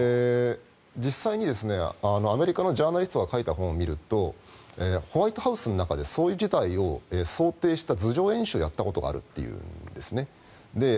実際にアメリカのジャーナリストが書いた本を見るとホワイトハウスの中でそういう事態を想定した図上演習をやったことがあるというんですね。